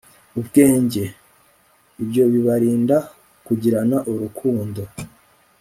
ubwenge. ibyo bibarinda kugirana urukundo